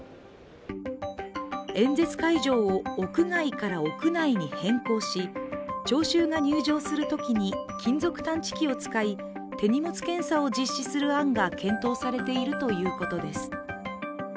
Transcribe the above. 演説会場を屋外から屋内に変更し聴衆が入場するときに金属探知機を使い手荷物検査を実施する案が検討されているということです。